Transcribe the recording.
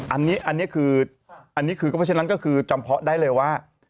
อันนี้คือเพราะฉะนั้นก็คือจำเพราะได้เลยว่า